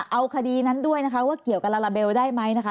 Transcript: เอาคดีนั้นด้วยนะคะว่าเกี่ยวกับลาลาเบลได้ไหมนะคะ